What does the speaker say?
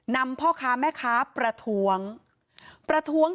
นำพ่อค้าแม่ค้าประท้วง